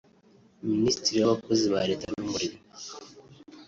Minisitiri w’Abakozi ba Leta n’umurimo